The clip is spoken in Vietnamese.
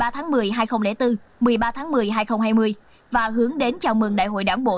một mươi tháng một mươi hai nghìn bốn một mươi ba tháng một mươi hai nghìn hai mươi và hướng đến chào mừng đại hội đảng bộ